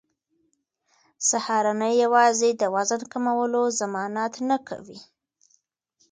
سهارنۍ یوازې د وزن کمولو ضمانت نه کوي.